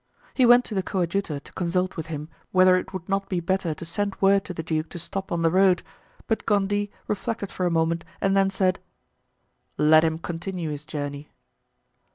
He went to the coadjutor to consult with him whether it would not be better to send word to the duke to stop on the road, but Gondy reflected for a moment, and then said: "Let him continue his journey."